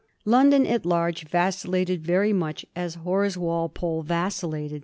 London at large vacillated very much as Horace Wal pole vacillated.